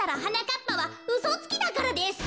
かっぱはうそつきだからです。